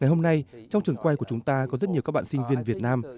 ngày hôm nay trong trường quay của chúng ta có rất nhiều các bạn sinh viên việt nam